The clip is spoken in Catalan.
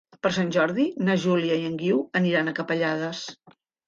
Per Sant Jordi na Júlia i en Guiu aniran a Capellades.